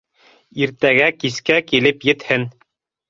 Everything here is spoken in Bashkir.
Иртәгә кискә килеп етһен.